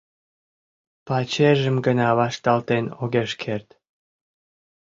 Пачержым гына вашталтен огеш керт.